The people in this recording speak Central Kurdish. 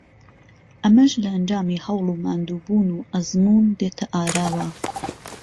ئەمەش لە ئەنجامی هەوڵ و ماندووبوون و ئەزموون دێتە ئاراوە